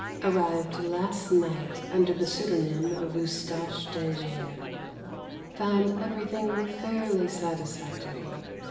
Arrived last night under the pseudonym of Eustache Danger. Found everything fairly satisfactory.